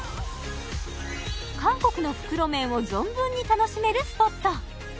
韓国の袋麺を存分に楽しめるスポット